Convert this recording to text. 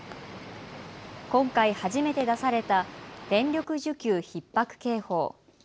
今回初めて出された電力需給ひっ迫警報。